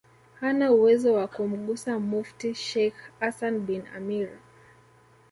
hana uwezo wa kumgusa Mufti Sheikh Hassan bin Amir